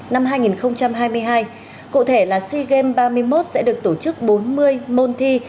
năm hai nghìn hai mươi hai cụ thể là sea games ba mươi một sẽ được tổ chức bốn mươi môn thi